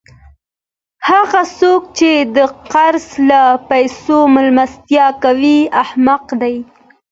هغه څوک، چي د قرض له پېسو میلمستیا کوي؛ احمق دئ!